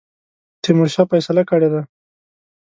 تیمورشاه فیصله کړې ده.